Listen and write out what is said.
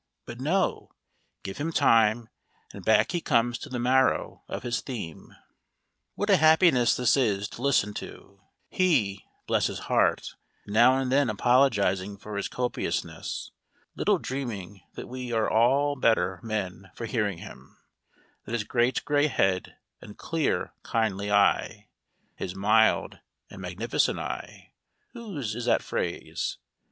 But no! give him time and back he comes to the marrow of his theme! What a happiness this is to listen to he (bless his heart) now and then apologizing for his copiousness, little dreaming that we are all better men for hearing him; that his great gray head and clear kindly eye ("His mild and magnificent eye": whose is that phrase?)